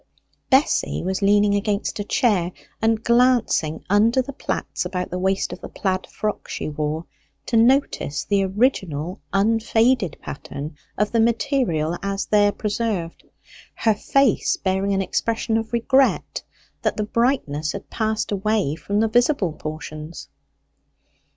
Bessy was leaning against a chair, and glancing under the plaits about the waist of the plaid frock she wore, to notice the original unfaded pattern of the material as there preserved, her face bearing an expression of regret that the brightness had passed away from the visible portions.